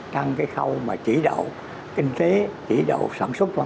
trong cái khâu mà chỉ đậu kinh tế chỉ đậu sản xuất văn văn